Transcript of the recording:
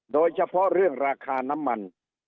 โดยเฉพาะเรื่องราคาน้ำมัน